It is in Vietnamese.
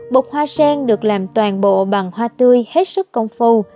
bột hoa sen được làm toàn bộ bằng hoa tươi hết sức công phu